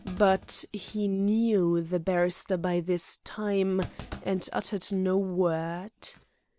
But he knew the barrister by this time, and uttered no word.